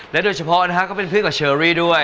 โดยเฉพาะนะฮะก็เป็นเพื่อนกับเชอรี่ด้วย